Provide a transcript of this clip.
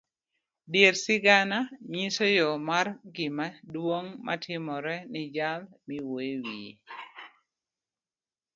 Dier sigana nyiso yoo mar gima duong' matimore ni jal miwuyo iwiye.